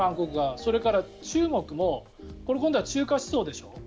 それから中国も中華思想でしょう。